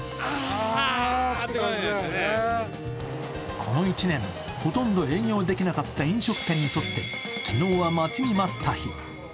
この１年、ほとんど営業できなかった飲食店にとって昨日は待ちに待った日。